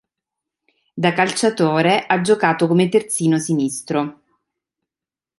Da calciatore ha giocato come terzino sinistro.